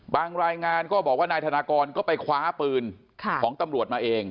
รายงานก็บอกว่านายธนากรก็ไปคว้าปืนของตำรวจมาเอง